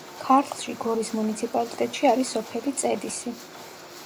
ქართლში, გორის მუნიციპალიტეტში არის სოფელი წედისი.